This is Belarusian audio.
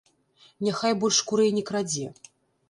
Няхай больш курэй не крадзе.